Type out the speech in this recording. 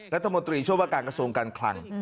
รัฐมนตรีช่วยว่าการกระทรวงการคลัง